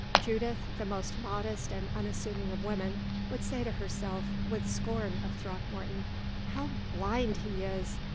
Judith, the most modest and unassuming of women, would say to herself, with scorn of Throckmorton: "How blind he is!